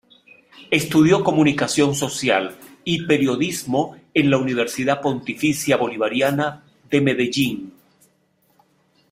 Estudió Comunicación Social y Periodismo en la Universidad Pontificia Bolivariana de Medellín.